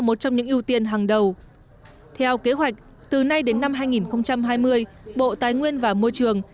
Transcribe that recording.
một trong những ưu tiên hàng đầu theo kế hoạch từ nay đến năm hai nghìn hai mươi bộ tài nguyên và môi trường